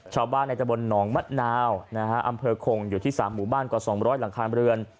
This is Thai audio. ชาวบ้านในตะบนหนองมะนาวอำเภอคงอยู่ที่๓หมู่บ้านกว่า๒๐๐หลังคาเรือน